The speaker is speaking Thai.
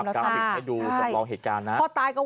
ตามภาพให้ดูจัดลองเหตุการณ์นะ